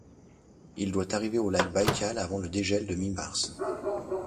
Il doit arriver au lac Baïkal avant le dégel de mi-mars.